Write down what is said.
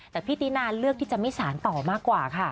แต่พี่ตินาเลือกที่จะไม่สารต่อมากกว่าค่ะ